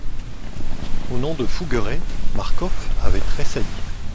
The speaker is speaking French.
Au nom de Fougueray, Marcof avait tressailli.